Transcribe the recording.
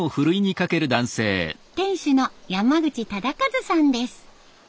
店主の山口忠和さんです。